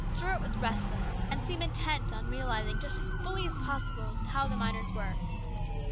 Stuart was restless, and seemed intent on realizing as fully as possible just how the miners worked.